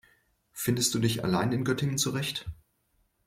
Findest du dich allein in Göttingen zurecht?